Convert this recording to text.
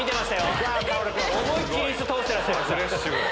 思いっ切り椅子倒してらっしゃいました。